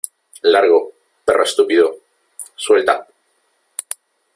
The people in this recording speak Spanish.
¡ Largo , perro estúpido !¡ suelta !